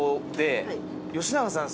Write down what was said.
吉永さん